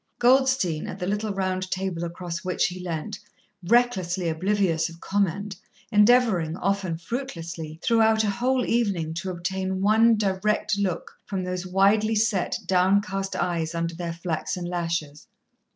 Goldstein, at the little round table across which he leant, recklessly oblivious of comment, endeavouring, often fruitlessly, throughout a whole evening, to obtain one direct look from those widely set, downcast eyes under their flaxen lashes.